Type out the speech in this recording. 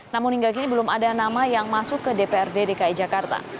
namun hingga kini belum ada nama yang masuk ke dprd dki jakarta